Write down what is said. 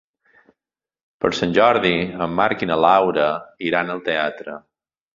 Per Sant Jordi en Marc i na Laura iran al teatre.